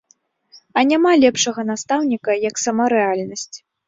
А няма лепшага настаўніка, як сама рэальнасць.